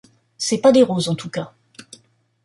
C’est pas des roses, en tout cas.